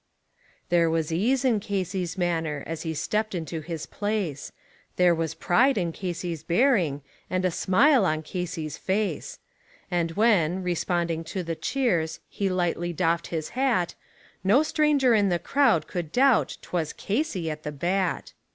There was ease in Casey's manner as he stepped into his place, There was pride in Casey's bearing, and a smile on Casey's face; And when, responding to the cheers, he lightly doffed his hat, No stranger in the crowd could doubt 'twas Casey at the bat.